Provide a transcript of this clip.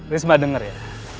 risma denger ya